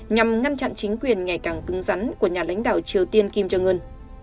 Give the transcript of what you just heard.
nhằm ngăn chặn chính quyền ngày càng cứng rắn của nhà lãnh đạo triều tiên kim jong un